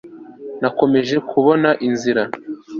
Nakomeje kubona inzira